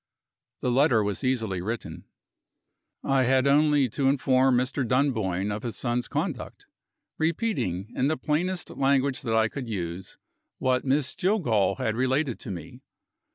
The letter was easily written. I had only to inform Mr. Dunboyne of his son's conduct; repeating, in the plainest language that I could use, what Miss Jillgall had related to me.